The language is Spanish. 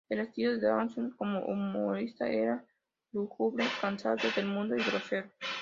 El estilo de Dawson como humorista era lúgubre, cansado del mundo y grosero.